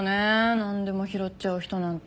なんでも拾っちゃう人なんて。